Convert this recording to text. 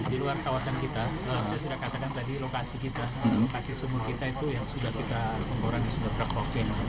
di luar kawasan kita saya sudah katakan tadi lokasi kita lokasi sumur kita itu yang sudah kita kurangi sudah berapa